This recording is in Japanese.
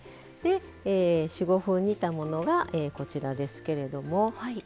４５分、煮たものがこちらですけれども。